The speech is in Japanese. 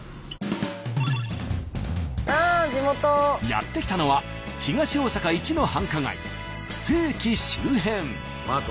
やって来たのは東大阪一の繁華街布施駅周辺。